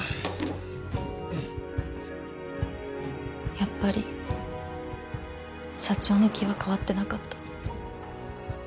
やっぱり社長の気は変わってなかった。